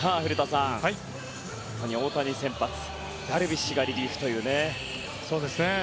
大谷が先発ダルビッシュがリリーフという。